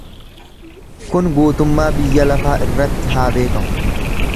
Kun guutummaa biyya lafaa irratti haa beekamu.